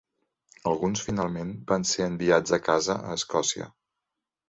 Alguns finalment van ser enviats a casa a Escòcia.